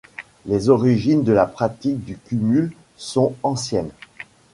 Les origines de la pratique du cumul sont anciennes.